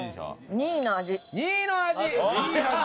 ２位の味。